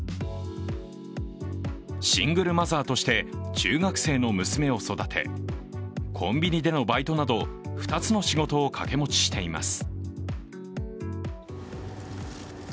シングルマザーとして中学生の娘を育てコンビニでのバイトなど２つの仕事を掛け持ちしています。